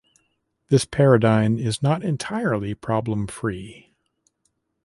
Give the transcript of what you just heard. This paradigm is not entirely problem-free.